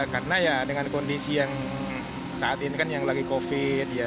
karena dengan kondisi yang saat ini yang lagi covid